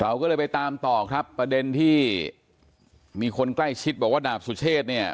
เราก็เลยไปตามต่อครับประเด็นที่มีคนใกล้ชิดบอกว่าดาบสุเชษเนี่ย